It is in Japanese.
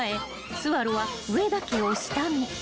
スワロは上田家を下見］